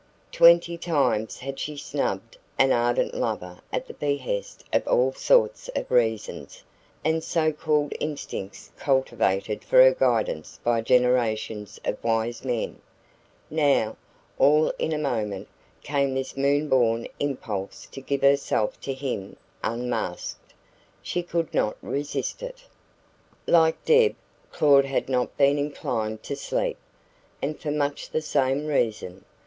Twenty times had she snubbed an ardent lover at the behest of all sorts of reasons and so called instincts cultivated for her guidance by generations of wise men, now, all in a moment, came this moon born impulse to give herself to him unasked. She could not resist it. Like Deb, Claud had not been inclined to sleep, and for much the same reason.